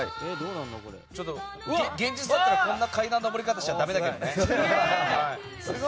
現実だったらこんな階段の上り方しちゃだめだけどね。